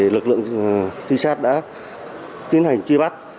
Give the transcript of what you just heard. lực lượng tư sát đã tiến hành truy bắt